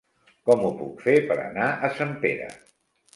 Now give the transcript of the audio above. Com ho puc fer per anar a Sempere?